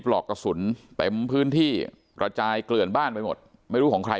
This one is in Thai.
หลอกกระสุนเต็มพื้นที่กระจายเกลื่อนบ้านไปหมดไม่รู้ของใคร